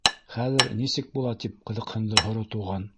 — Хәҙер... нисек була? — тип ҡыҙыҡһынды һоро Туған.